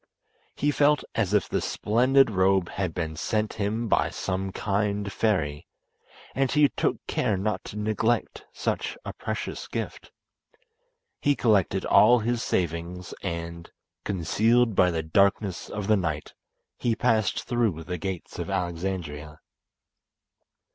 He felt as if the splendid robe had been sent him by some kind fairy, and he took care not to neglect such a precious gift. He collected all his savings, and, concealed by the darkness of the night, he passed through the gates of Alexandria.